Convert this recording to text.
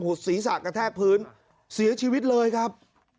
หุดศรีสักแกะแทกพื้นเสียชีวิตเลยครับ